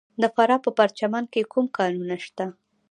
د فراه په پرچمن کې کوم کانونه دي؟